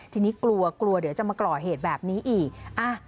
ทีนี้กลัวกลัวเดี๋ยวจะมาก่อเหตุแบบนี้อีก